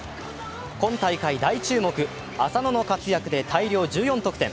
今大会、大注目浅野の活躍で大量１４得点。